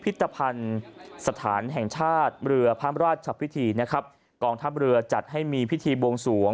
พิธภัณฑ์สถานแห่งชาติเรือพระราชพิธีนะครับกองทัพเรือจัดให้มีพิธีบวงสวง